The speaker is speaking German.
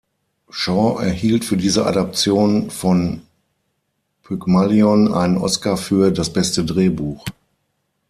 Shaw erhielt für diese Adaption von "Pygmalion" einen Oscar für das beste Drehbuch.